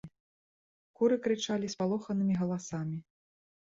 Куры крычалі спалоханымі галасамі.